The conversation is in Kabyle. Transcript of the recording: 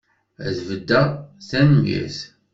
Ad beddeɣ, tanemmirt!